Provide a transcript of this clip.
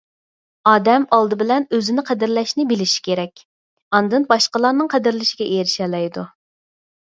ئادەم ئالدى بىلەن ئۆزىنى قەدىرلەشنى بىلىشى كېرەك، ئاندىن باشقىلارنىڭ قەدىرلىشىگە ئېرىشەلەيدۇ.